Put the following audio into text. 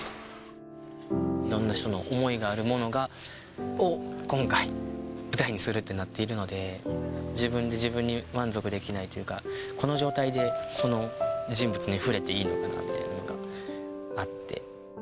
いろんな人の思いがあるものを、今回、舞台にするってなっているので、自分で自分に満足できないというか、この状態でこの人物に触れていいのかなっていうのがあって。